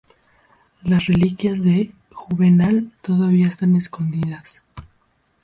Las reliquias de Juvenal todavía están escondidas.